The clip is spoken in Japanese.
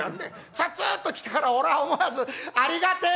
「さあつっと来たから俺は思わずありがてえ！」。